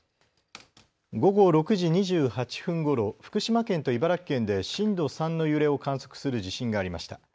午後６時２８分ごろ福島県と茨城県で震度３の揺れを観測する地震がありました。